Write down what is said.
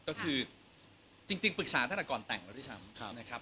ก็คือจริงปรึกษาตั้งแต่ก่อนแต่งแล้วด้วยซ้ำนะครับ